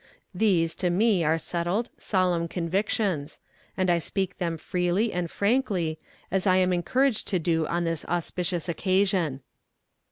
These, to me, are settled, solemn convictions; and I speak them freely and frankly, as I am encouraged to do on this auspicious occasion.